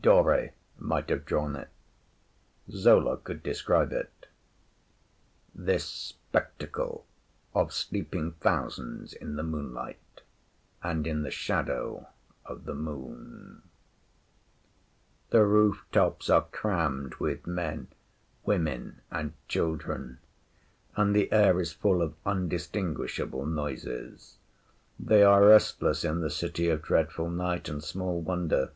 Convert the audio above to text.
Dore might have drawn it! Zola could describe it this spectacle of sleeping thousands in the moonlight and in the shadow of the Moon. The roof tops are crammed with men, women, and children; and the air is full of undistinguishable noises. They are restless in the City of Dreadful Night; and small wonder.